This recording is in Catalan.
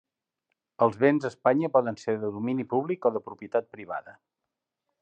Els béns a Espanya poden ser de domini públic o de propietat privada.